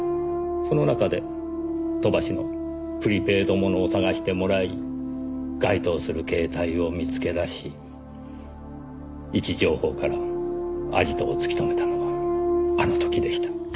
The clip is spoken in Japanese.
その中で飛ばしのプリペイドものを探してもらい該当する携帯を見つけ出し位置情報からアジトを突き止めたのがあの時でした。